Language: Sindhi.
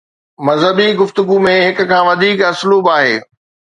مذهبي گفتگو ۾ هڪ کان وڌيڪ اسلوب آهي.